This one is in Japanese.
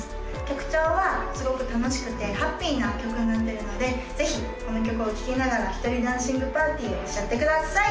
曲調はすごく楽しくてハッピーな曲になってるのでぜひこの曲を聴きながら１人ダンシングパーティーをしちゃってください！